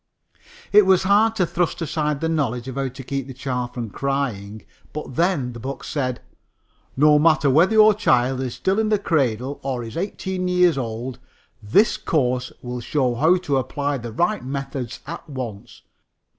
It was hard to thrust aside the knowledge of how to keep the child from crying. But, then, the book said: "No matter whether your child is still in the cradle or is eighteen years old, this course will show how to apply the right methods at once.